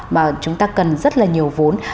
mà chúng ta cần rất là nhiều vốn